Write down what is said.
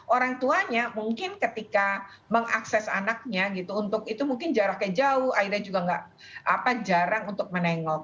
orang tuanya mungkin ketika mengakses anaknya gitu untuk itu mungkin jaraknya jauh akhirnya juga nggak jarang untuk menengok